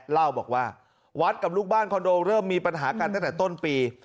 เล่าบอกว่าวัดกับลูกบ้านคอนโดเริ่มมีปัญหากันตั้งแต่ต้นปี